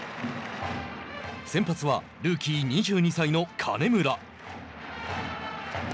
先発はルーキー２２歳の金村。